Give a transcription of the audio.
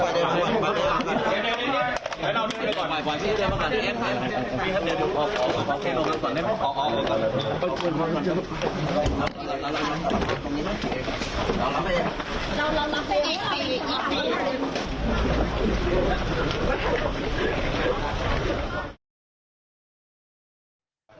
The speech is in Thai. พี่ครับมีคำสั่งครับ